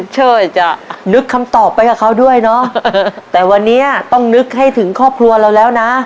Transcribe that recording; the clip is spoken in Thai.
ช่วยจะนึกคำตอบไปกับเขาด้วยเนาะแต่วันนี้ต้องนึกให้ถึงครอบครัวเราแล้วนะ